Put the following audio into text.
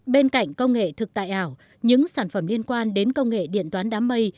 bên cạnh công nghệ thực tại ảo những sản phẩm liên quan đến công nghệ điện toán đám mây